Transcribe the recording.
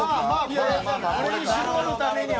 これに絞るためには。